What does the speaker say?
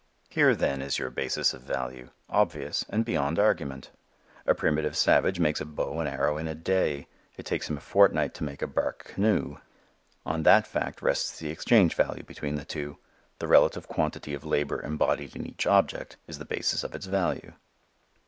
Here then is your basis of value, obvious and beyond argument. A primitive savage makes a bow and arrow in a day: it takes him a fortnight to make a bark canoe. On that fact rests the exchange value between the two. The relative quantity of labor embodied in each object is the basis of its value.